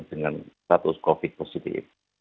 dengan status covid positif